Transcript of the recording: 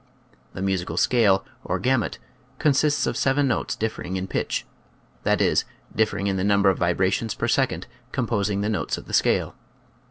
The musical scale, or gamut, consists of seven notes differing in pitch — that is, dif fering in the number of vibrations per second composing the notes of the scale.